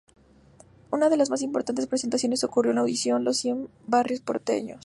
Una de sus más importantes presentaciones ocurrió en la audición "Los cien barrios porteños".